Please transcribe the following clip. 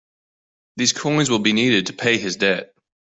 These coins will be needed to pay his debt.